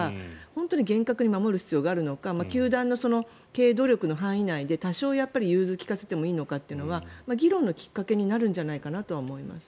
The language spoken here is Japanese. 本当に厳格に守る必要があるのか球団の経営努力の範囲内で多少融通を利かせてもいいのかっていうのは議論のきっかけになるんじゃないかと思います。